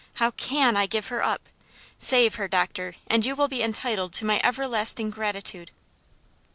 How can I give her up? Save her, doctor, and you will be entitled to my everlasting gratitude."